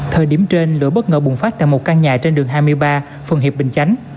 thời điểm trên lửa bất ngờ bùng phát tại một căn nhà trên đường hai mươi ba phường hiệp bình chánh